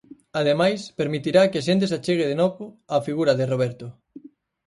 Ademais, permitirá que a xente se achegue de novo á figura de Roberto.